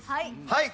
はい。